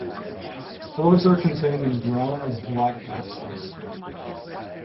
Spores are contained in brown or black capsules.